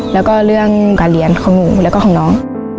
แล้วก็เรื่องการเรียนของหนูแล้วก็ของน้อง